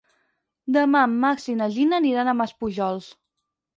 Demà en Max i na Gina aniran a Maspujols.